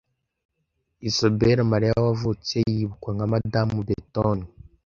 Isobella Maria wavutse yibukwa nka Madamu Beeton